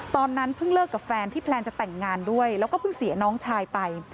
ตอนนั้นเพิ่งเลิกกับแฟนที่แพลนจะแต่งงานด้วยแล้วก็เพิ่งเสียน้องชายไป